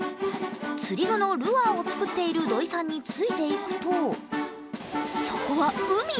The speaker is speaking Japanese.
釣り具のルアーを作っている土井さんについていくとそこは海。